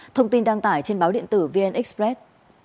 thông tin đăng tải trên báo điện tử vn express